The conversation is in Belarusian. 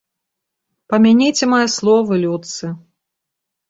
Памяніце мае словы, людцы.